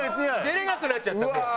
出れなくなっちゃったもう。